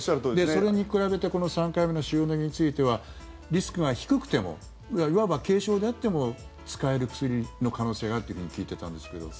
それに比べてこの３回目の塩野義についてはリスクが低くてもいわば軽症であっても使える薬の可能性があるというふうに聞いてたんですが。